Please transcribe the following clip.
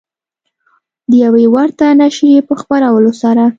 د یوې ورته نشریې په خپرولو سره